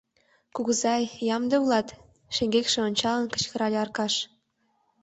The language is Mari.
— Кугызай, ямде улат? — шеҥгекше ончалын, кычкырале Аркаш.